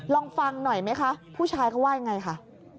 ลองฟังหน่อยไหมคะผู้ชายเขาว่ายังไงค่ะ